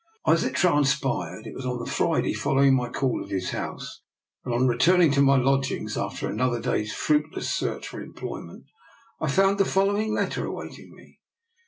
As it transpired, it was on the Friday fol lowing my call at his house that, on return ing to my lodgings after another day's fruit less search for employment, I found the fol lowing letter awaiting me.